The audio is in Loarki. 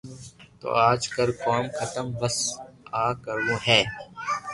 تو آج ڪر ڪوم ختم بس آ ڪروو ھي